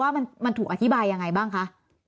ว่ามันถูกอธิบายยังไงบ้างคะ